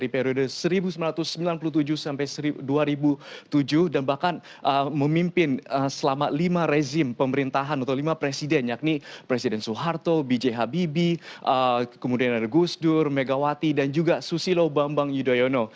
presiden yakni presiden soeharto bj habibi kemudian ada gusdur megawati dan juga susilo bambang yudhoyono